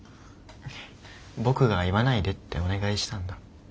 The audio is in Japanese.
僕が「言わないで」ってお願いしたんだ。